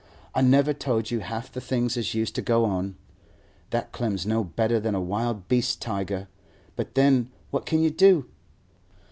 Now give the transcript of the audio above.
I never told you half the things as used to go on. That Clem's no better than a wild beast tiger; but then what can you do?